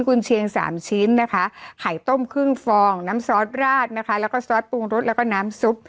คุณเชียงสามชิ้นนะคะไข่ต้มครึ่งฟองน้ำซอสราดนะคะแล้วก็ซอสปรุงรสแล้วก็น้ำซุป